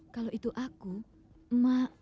kalau itu aku emak